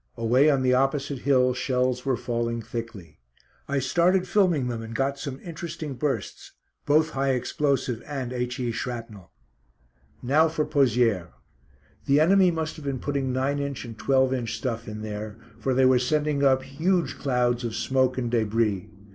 Away on the opposite hill shells were falling thickly. I started filming them and got some interesting bursts, both high explosive and H.E. shrapnel. Now for Pozières. The enemy must have been putting 9 inch and 12 inch stuff in there, for they were sending up huge clouds of smoke and débris.